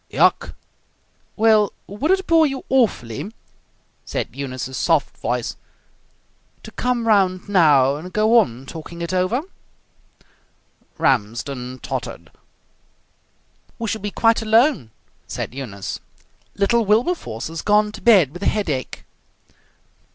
"Yuk!" "Well, would it bore you awfully," said Eunice's soft voice, "to come round now and go on talking it over?" Ramsden tottered. "We shall be quite alone," said Eunice. "Little Wilberforce has gone to bed with a headache."